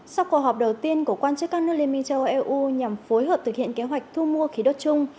sau cuộc họp đầu tiên của quan chức các nước liên minh châu âu eu nhằm phối hợp thực hiện kế hoạch thu mua khí đốt chung